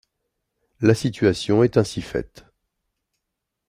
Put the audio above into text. La situation est ainsi faite.